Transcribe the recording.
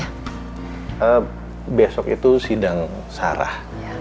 kita besok itu sidang searah